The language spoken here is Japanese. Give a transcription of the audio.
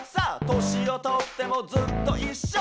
「年をとってもずっといっしょ」